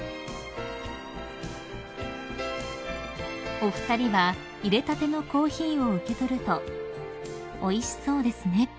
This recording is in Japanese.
［お二人は入れたてのコーヒーを受け取ると「おいしそうですね」